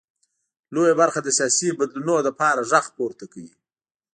لویه برخه د سیاسي بدلونونو لپاره غږ پورته کوي.